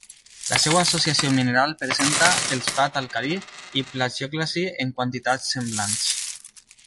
La seva associació mineral presenta feldespat alcalí i plagiòclasi en quantitats semblants.